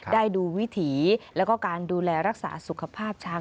ได้ดูวิถีแล้วก็การดูแลรักษาสุขภาพช้าง